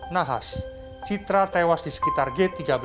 nahas citra tewas di sekitar g tiga belas